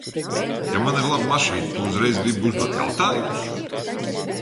Ja man ir laba mašīna, tu uzreiz gribi uzdot jautājumus?